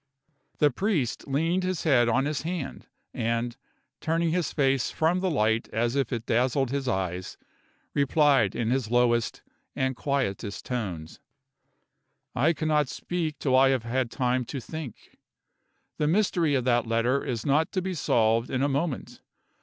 The priest leaned his head on his hand, and, turning his face from the light as if it dazzled his eyes, replied in his lowest and quietest tones: "I cannot speak till I have had time to think. The mystery of that letter is not to be solved in a moment.